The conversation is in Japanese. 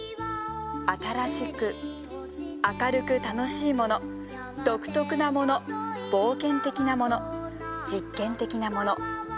新しく明るく楽しいもの独特なもの冒険的なもの実験的なもの。